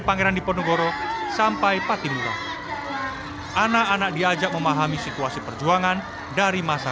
daerah di ponokoro sampai patimura anak anak diajak memahami situasi perjuangan dari masa